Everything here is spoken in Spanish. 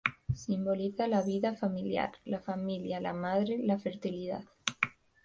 Simboliza la vida familiar, la familia, la madre, la fertilidad.